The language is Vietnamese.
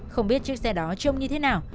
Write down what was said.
không biết chiếc xe đó trông như thế nào